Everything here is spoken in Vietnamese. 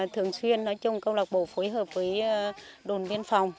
thường xuyên câu lộc bộ phối hợp với đồn biên phòng